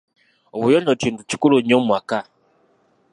Obuyonjo kintu kikulu nnyo mu maka.